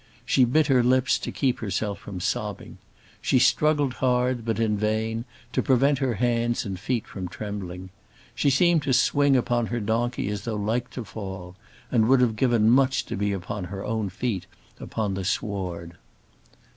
She bit her lips to keep herself from sobbing. She struggled hard, but in vain, to prevent her hands and feet from trembling. She seemed to swing upon her donkey as though like to fall, and would have given much to be upon her own feet upon the sward.